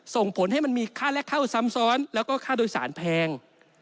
ส่งผลให้มันมีค่าแรกเข้าซ้ำซ้อนแล้วก็ค่าโดยสารแพง